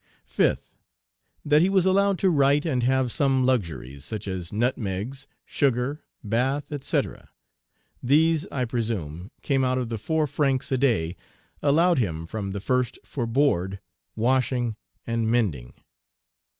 5th. That he was allowed to write and have some luxuries, such as nutmegs, sugar, bath, &c. These, I presume, came out of the four francs a day allowed him from the first for board, washing, and mending.